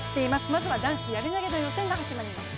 まずは男子やり投の予選が始まります。